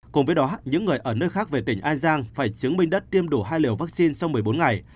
cùng với đó những người ở nơi khác về tỉnh an giang phải chứng minh đất tiêm đủ hai liều vaccine sau một mươi bốn ngày